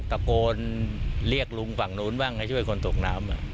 ตะโกนเรียกลุงฝั่งนู้นบ้างให้ช่วยคนตกน้ำ